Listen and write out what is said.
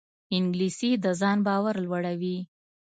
انګلیسي د ځان باور لوړوي